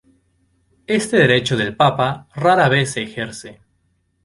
Este derecho del Papa rara vez se ejerce.